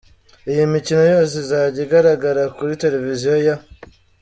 Iyi mikino yose izajya igaragara kuri televiziyo ya .